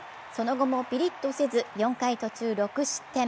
その後もピリッとせず、４回途中６失点。